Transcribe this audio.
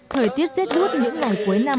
thời tiết xếp hút những ngày cuối năm